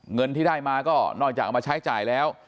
เงินที่ได้มาก็นอกจากเอามาใช้จ่ายแล้ว